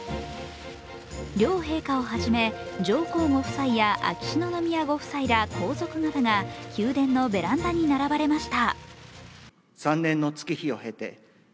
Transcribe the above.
両陛下をはじめ、上皇ご夫妻や秋篠宮ご夫妻ら皇族方が宮殿のベランダに並ばれました。